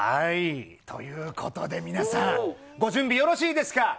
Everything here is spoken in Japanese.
ということで皆さん、ご準備よろしいですか。